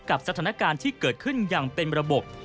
กับสถานการณ์ที่เกิดขึ้นอย่างเป็นระบบ